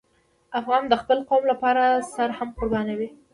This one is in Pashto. افغان د خپل قوم لپاره سر هم قربانوي.